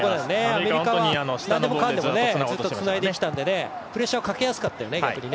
アメリカはなんでもかんでもずっとつないできたからプレッシャーをかけやすかったよね、逆に。